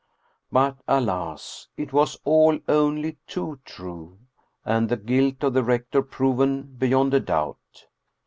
But, alas, it was all only too true, and the guilt of the rector proven beyond a doubt.